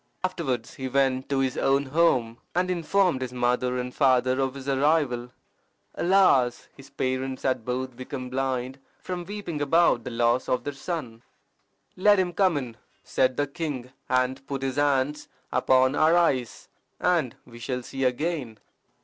Afterwards he went to his own home, and informed his mother and father of his arrival. Alas! his parents had both become blind from weeping about the loss of their son. "Let him come in," said the king, "and put his hands upon our eyes, and we shall see again."